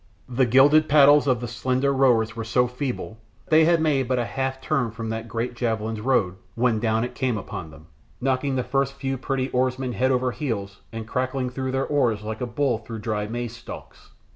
The gilded paddles of the slender rowers were so feeble they had but made a half turn from that great javelin's road when down it came upon them, knocking the first few pretty oarsmen head over heels and crackling through their oars like a bull through dry maize stalks.